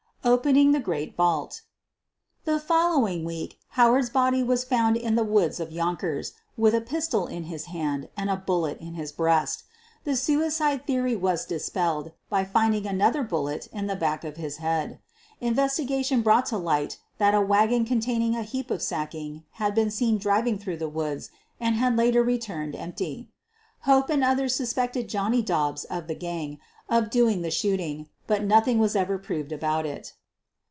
OPENING THE GREAT VAULT The following week Howard's body was foiand in the woods of Yonkers, with a pistol in his hand and a bullet in his breast. The suicide theory was dis pelled by finding another bullet in the back of his head. Investigation brought to light that a wagon containing a heap of sacking had been seen driving through the woods and had later returned empty. Hope and others suspected Johnny Dobbs, of the gang, of doing the shooting, but nothing was ever proved about it.